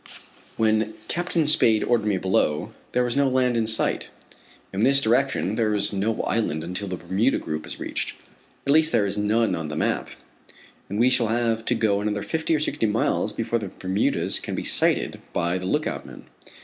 When Captain Spade ordered me below, there was no land in sight. In this direction, there is no island until the Bermuda group is reached at least there is none on the map and we shall have to go another fifty or sixty miles before the Bermudas can be sighted by the lookout men.